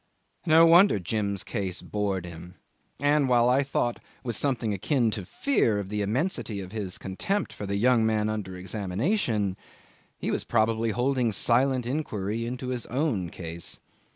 'No wonder Jim's case bored him, and while I thought with something akin to fear of the immensity of his contempt for the young man under examination, he was probably holding silent inquiry into his own case.